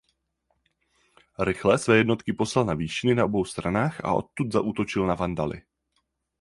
Rychle své jednotky poslal na výšiny na obou stranách a odtud zaútočil na Vandaly.